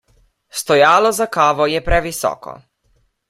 Stojalo za kavo je previsoko.